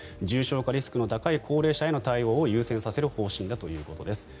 重症化リスクの高い高齢者への対応を優先させる方針だということです。